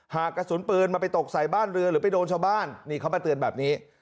กระสุนปืนมันไปตกใส่บ้านเรือหรือไปโดนชาวบ้านนี่เขามาเตือนแบบนี้